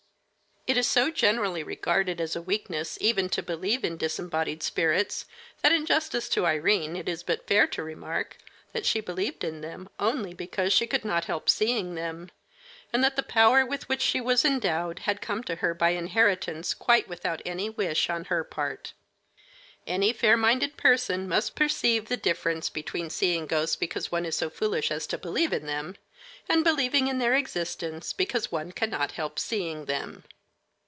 It is so generally regarded as a weakness even to believe in disembodied spirits that in justice to Irene it is but fair to remark that she believed in them only because she could not help seeing them, and that the power with which she was endowed had come to her by inheritance quite without any wish on her part. Any fair minded person must perceive the difference between seeing ghosts because one is so foolish as to believe in them, and believing in their existence because one cannot help seeing them.